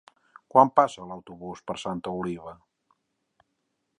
Quan passa l'autobús per Santa Oliva?